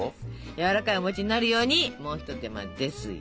やわらかいお餅になるようにもう一手間ですよ！